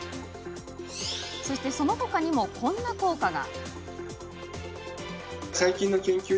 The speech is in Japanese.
そのほかにも、こんな効果が。